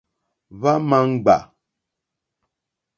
Hwá ǃma ŋɡbà.